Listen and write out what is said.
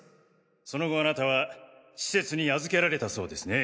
その後あなたは施設に預けられたそうですね。